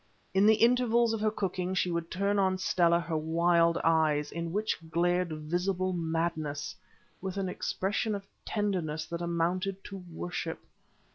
In the intervals of her cooking she would turn on Stella her wild eyes, in which glared visible madness, with an expression of tenderness that amounted to worship.